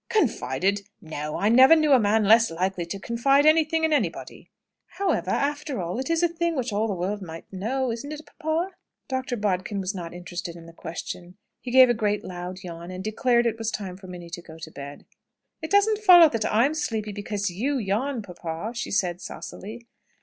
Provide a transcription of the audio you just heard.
"Confided! No; I never knew a man less likely to confide anything to anybody." "However, after all, it is a thing which all the world might know, isn't it, papa?" Dr. Bodkin was not interested in the question. He gave a great loud yawn, and declared it was time for Minnie to go to bed. "It doesn't follow that I'm sleepy because you yawn, papa!" she said saucily.